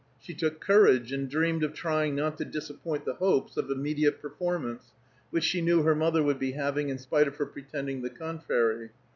She took courage and dreamed of trying not to disappoint the hopes of immediate performance, which she knew her mother would be having in spite of her pretending the contrary.